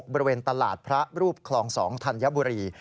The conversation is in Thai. บริเวณตลาดพระรูปคลอง๒ธัญบุรี